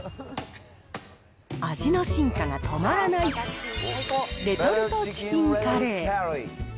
味の進化が止まらない、レトルトチキンカレー。